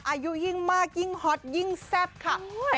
อายุยิ่งมากยิ่งฮอตยิ่งแซ่บค่ะ